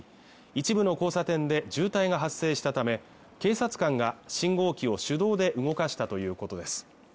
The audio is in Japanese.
一部の交差点で渋滞が発生したため警察官が信号機を手動で動かしたということです